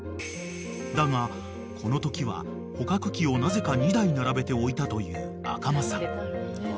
［だがこのときは捕獲器をなぜか２台並べて置いたという赤間さん］